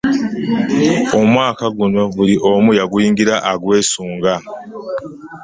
Omwaka guno buli omu yaguyingira agwesunga.